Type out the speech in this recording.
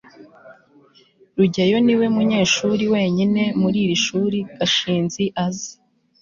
rugeyo niwe munyeshuri wenyine muri iri shuri gashinzi azi